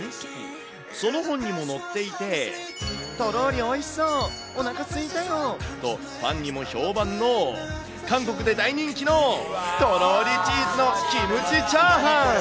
その本にも載っていて、とろーりおいしそう、おなかすいたよと、ファンにも評判の韓国で大人気のとろーりチーズのキムチチャーハン。